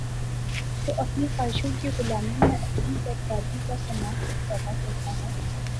تو اپنی خواہشوں کی غلامی میں اپنی بربادی کا سامان خود پیدا کرتا ہے ۔